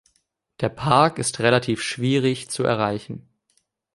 Der Park ist relativ schwierig zu erreichen.